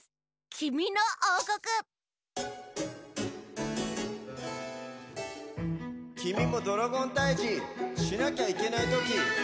きみもドラゴンたいじしなきゃいけないときあるっしょ？